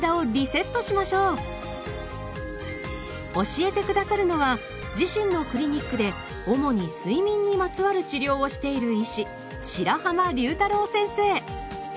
教えて下さるのは自身のクリニックで主に睡眠にまつわる治療をしている医師